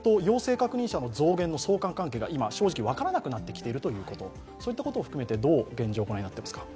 確認者の増減の相関関係が正直分からなくなってきていること、そういったことを含めてどう現状御覧になっていますか？